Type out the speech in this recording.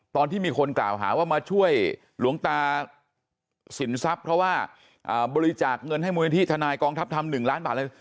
ตอนที่มีคนกล่าวหาว่ามาช่วยหลวงตาสินทรัพย์เพราะว่าบริจาคเงินให้มูลนิธิทนายกองทัพทำ๑ล้านบาทเลย